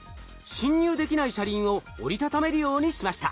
侵入できない車輪を折り畳めるようにしました。